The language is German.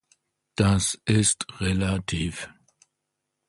Das ist relativ.